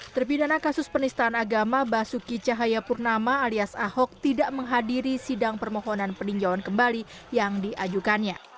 terpidana kasus penistaan agama basuki cahayapurnama alias ahok tidak menghadiri sidang permohonan peninjauan kembali yang diajukannya